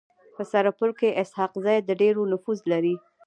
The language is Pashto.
په سرپل کي اسحق زي د ډير نفوذ لري.